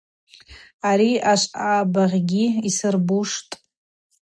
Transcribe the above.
Ари ашвъабыгъьгьи йсырбуштӏ.